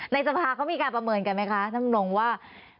ในทรภาพเขามีการประเมินกันไหมคะน้องนงว่า